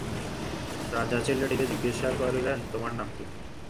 রাজা ছেলেটিকে জিজ্ঞাসা করিলেন, তোমার নাম কী?